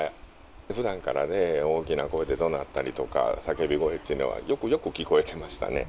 ふだんからね、大きな声でどなったりとか、叫び声っていうのは、よくよく聞こえてましたね。